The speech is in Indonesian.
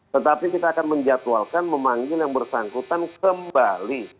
tetapi kita akan menjatuhkan memanggil yang bersangkutan kembali